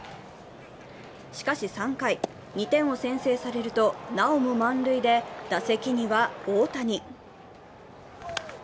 しかし３回、２点を先制されるとなおも満塁で打席には大谷。